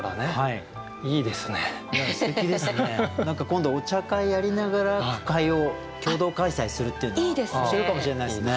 何か今度お茶会やりながら句会を共同開催するっていうのは面白いかもしれないですね。